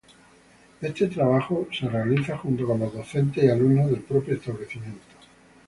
Este trabajo es realizado junto con los docentes y alumnos del propio establecimiento.